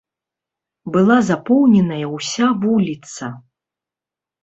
Была запоўненая ўся вуліца.